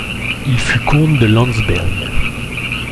Il fut comte de Landsberg.